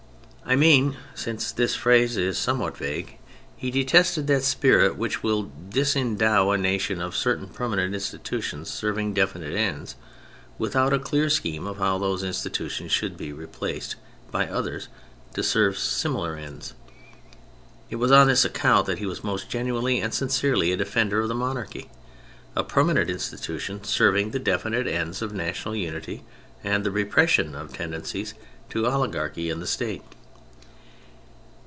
I mean (since this phrase is somewhat vague) he detested that spirit which will disendow a nation of certain permanent institutions serv ing definite ends, without a clear scheme of how those institutions should be replaced by others to serve similar ends. It was on this account that he was most genuinely and sincerely a defender of the monarchy : a permanent in stitution serving the definite ends of national unity and the repression of tendencies to oligarchy in the State.